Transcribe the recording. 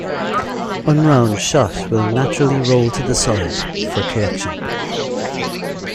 Unround shot will naturally roll to the side, for collection.